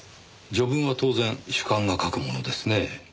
序文は当然主幹が書くものですねぇ。